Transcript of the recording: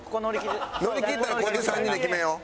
乗り切ったらこれで３人で決めよう。